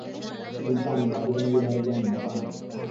Sultan, Bajrangi Bhaijaan, Dabangg.